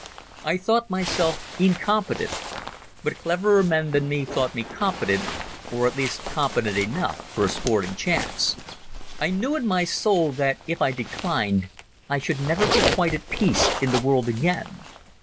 I thought myself incompetent, but cleverer men than me thought me competent, or at least competent enough for a sporting chance. I knew in my soul that if I declined I should never be quite at peace in the world again.